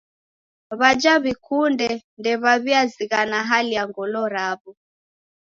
W'aja w'ikunde ndew'aw'iazighana hali ya ngolo raw'o.